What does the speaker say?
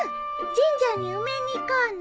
神社に埋めに行こうね。